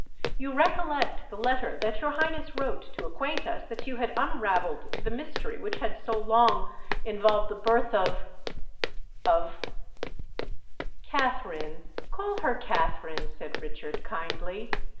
You recollect the letter that your Highness wrote to acquaint us that you had unravelled the mystery which had so long involved the birth of ——of——" "Katherine—call her Katherine," said Richard, kindly.